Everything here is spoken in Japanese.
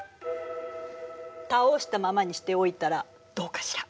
倒したままにしておいたらどうかしら？